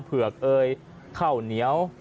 เพลือกเอยเข้าเหนียว